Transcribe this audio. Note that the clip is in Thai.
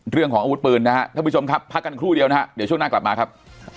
อาวุธปืนนะฮะท่านผู้ชมครับพักกันครู่เดียวนะฮะเดี๋ยวช่วงหน้ากลับมาครับ